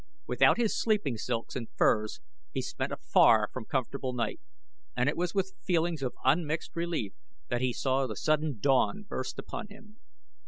Without his sleeping silks and furs he spent a far from comfortable night, and it was with feelings of unmixed relief that he saw the sudden dawn burst upon him.